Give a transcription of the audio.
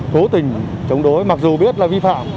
cố tình chống đối mặc dù biết là vi phạm